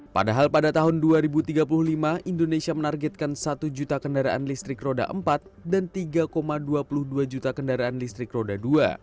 padahal pada tahun dua ribu tiga puluh lima indonesia menargetkan satu juta kendaraan listrik roda empat dan tiga dua puluh dua juta kendaraan listrik roda dua